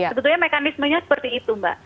sebetulnya mekanismenya seperti itu mbak